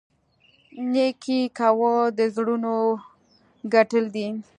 نیکي کول د زړونو ګټل دي.